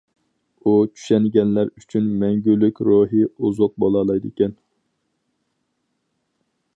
ئۇ چۈشەنگەنلەر ئۈچۈن مەڭگۈلۈك روھىي ئوزۇق بولالايدىكەن.